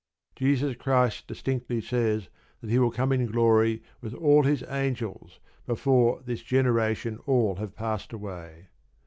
Jesus Christ distinctly says that He will come in glory with all His angels before "this generation" all have passed away.